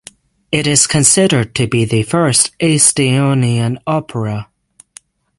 It is considered to be the first Estonian opera.